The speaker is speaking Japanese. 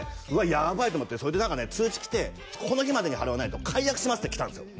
やばいと思ってそれで何かね通知来て「この日までに払わないと解約します」って来たんすよ